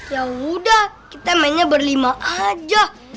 yaudah kita mainnya berlima aja